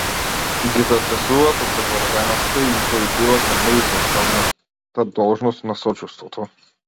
Ги затресуваат од заборавеноста и ги повикуваат на неизоставната должност на сочувството.